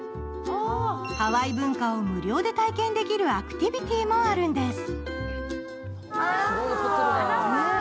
ハワイ文化を無料で体験できるアクティビティーもあるんです。